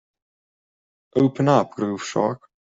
Open up Groove Shark.